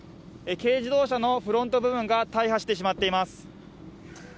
軽自動車のフロント部分が大破してしまっています。